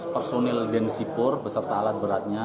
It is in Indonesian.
personil dan sipur beserta alat beratnya